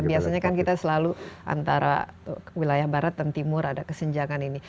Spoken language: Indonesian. biasanya kan kita selalu antara wilayah barat dan timur ada kesenjangan ini